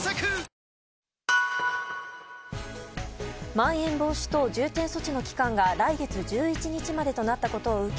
まん延防止等重点措置の期間が来月１１日までとなったことを受け